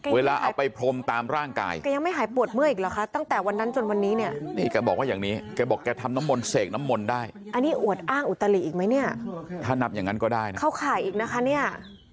เวลาไปพรมตามร่างกาย